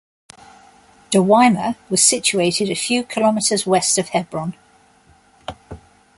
Dawayima was situated a few kilometres west of Hebron.